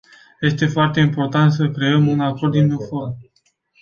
Este foarte important să creăm un acord uniform.